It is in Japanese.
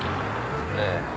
ええ。